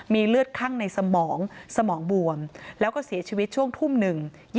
มีเลือดคั่งในสมองสมองบวมแล้วก็เสียชีวิตช่วงทุ่มหนึ่ง